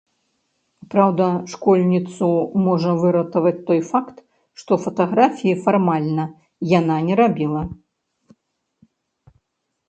Праўда, школьніцу можа выратаваць той факт, што фатаграфіі, фармальна, яна не рабіла.